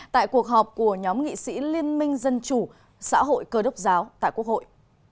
tại cuộc họp của nhóm nghị sĩ liên minh dân chủ xã hội cơ đốc giáo tại quốc hội